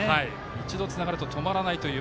一度つながると止まらないという。